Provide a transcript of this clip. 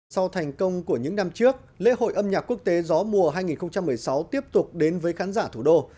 sau thành công của những năm trước lễ hội âm nhạc quốc tế gió mùa hai nghìn một mươi sáu tiếp tục đến với khán giả thủ đô